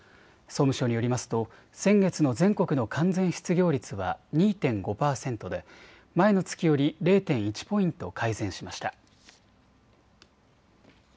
総務省によりますと先月の全国の完全失業率は２．５％で前の月より０．１ポイント改善しました。